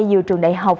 nhiều trường đại học